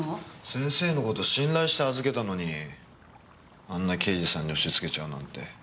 先生の事信頼して預けたのにあんな刑事さんに押し付けちゃうなんて。